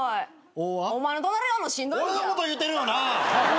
俺のこと言うてるよな？